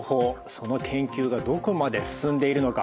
その研究がどこまで進んでいるのか